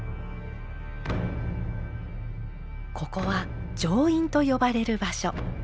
ここは上院と呼ばれる場所。